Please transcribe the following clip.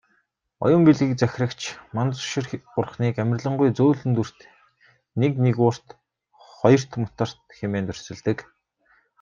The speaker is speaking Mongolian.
Оюун билгийг захирагч Манзушир бурхныг "амарлингуй зөөлөн дүрт, нэг нигуурт, хоёрт мутарт" хэмээн дүрсэлдэг.